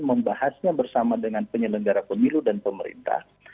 membahasnya bersama dengan penyelenggara pemilu dan pemerintah